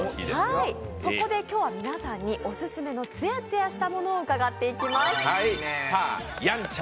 そこで今日は皆さんにオススメのツヤツヤしたものを伺っていきます。